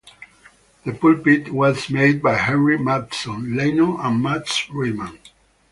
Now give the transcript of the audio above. The pulpit was made by Henrik Mattsson Leino and Matts Reiman.